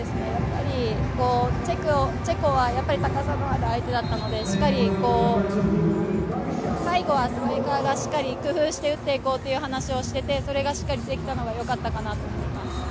チェコはやっぱり高さのある相手だったので、最後はスパイカーがしっかり工夫して打っていこうという話をしていてそれがしっかりできたのが良かったかなと思っています。